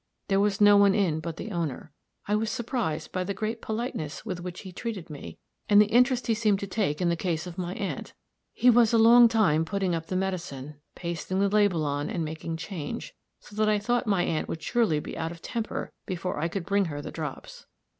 There was no one in but the owner. I was surprised by the great politeness with which he treated me, and the interest he seemed to take in the case of my aunt. He was a long time putting up the medicine, pasting the label on, and making change, so that I thought my aunt would surely be out of temper before I could bring her the drops.